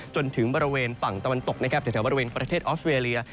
จนถึงบริเวณฝั่งตะวันตกแต่ถึงบริเวณประเทศออฟเวเลีย